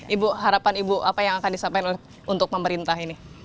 ibu harapan ibu apa yang akan disampaikan untuk pemerintah ini